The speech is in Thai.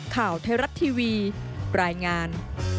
ข่าวไทยรัฐทีวีรายงาน